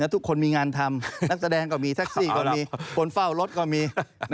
ทุกคนมีงานทำนักแสดงก็มีแท็กซี่ก็มีคนเฝ้ารถก็มี